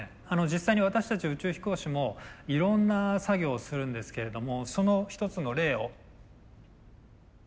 実際に私たち宇宙飛行士もいろんな作業をするんですけれどもその一つの例を。